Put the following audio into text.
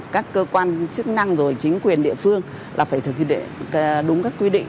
các cơ quan chức năng rồi chính quyền địa phương là phải thực hiện đúng các quy định